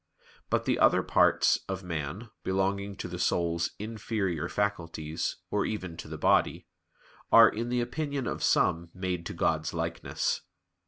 "But the other parts of man," belonging to the soul's inferior faculties, or even to the body, "are in the opinion of some made to God's likeness."